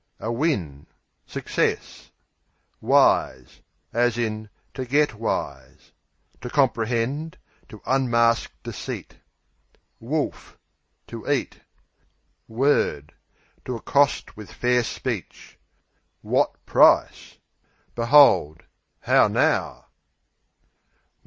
Win, a Success. Wise, to get To comprehend; to unmask deceit. Wolf To eat. Word To accost with fair speech. Wot price Behold; how now!